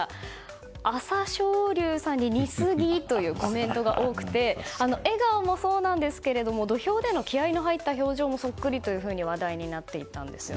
朝青龍さんに似すぎというコメントが多くて笑顔もそうなんですけど土俵での気合が入った表情もそっくりと話題になっていたんですね。